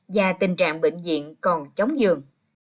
và tình trạng bệnh viện còn chống dường